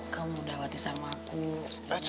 kamu udah mati sama aku